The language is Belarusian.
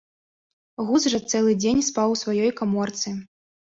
Гуз жа цэлы дзень спаў у сваёй каморцы.